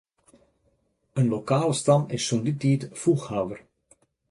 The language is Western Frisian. In lokale stam is sûnt dy tiid de foechhawwer.